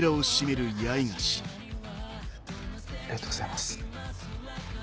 ありがとうございます。